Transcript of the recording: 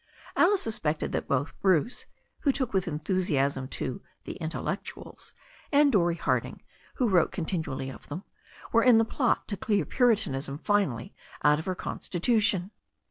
Alice suspected that both Bruce, who took with enthusiasm to "the intellectuals," and Dorrie Harding, who wrote continually of them, were in the plot to clear Puritanism finally out of her constitution.